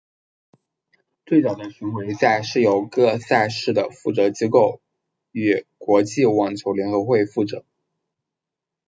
最早的巡回赛是由各赛事的负责机构与国际网球联合会负责。